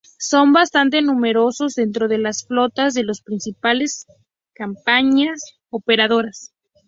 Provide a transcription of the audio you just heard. Son bastante numerosos dentro de las flotas de los principales compañías operadoras.